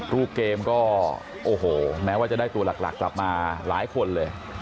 รูปเกมก็โอ้โหแม้ว่าจะได้ตัวหลักกลับมาหลายคนเลย